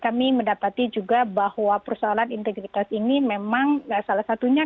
kami mendapati juga bahwa persoalan integritas ini memang salah satunya